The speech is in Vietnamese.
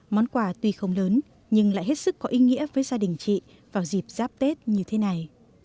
món quà tuy không lớn nhưng lại hết sức có ý nghĩa với gia đình chị vào dịp giáp tết như thế này